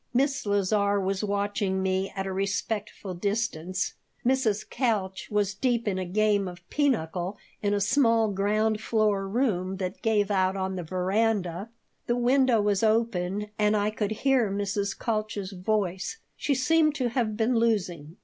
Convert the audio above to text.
Miss Lazar was watching me at a respectful distance. Mrs. Kalch was deep in a game of pinochle in a small ground floor room that gave out on the veranda. The window was open and I could hear Mrs. Kalch's voice. She seemed to have been losing.